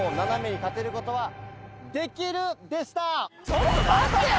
ちょっと待ってよ